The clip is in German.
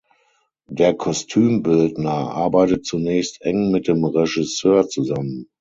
Der Kostümbildner arbeitet zunächst eng mit dem Regisseur zusammen.